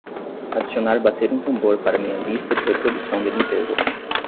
adicionar bater um tambor para minha lista de reprodução de limpeza